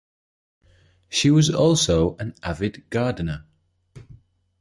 She was also an avid gardener.